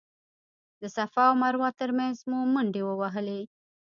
د صفا او مروه تر مینځ مو منډې ووهلې.